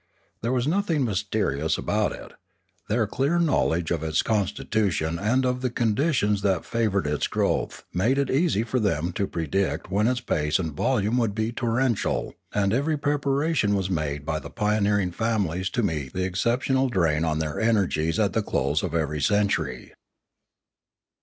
There was nothing mysterious about it. Their clear knowledge of its constitution and of the conditions that favoured its growth made it easy for them to predict when its pace and volume would be torrential, and every preparation was made by the pioneering families to meet the exceptional drain on their energies at the close of every century.